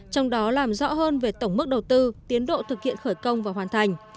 trong đó làm rõ hơn về tổng mức đầu tư tiến độ thực hiện khởi công và hoàn thành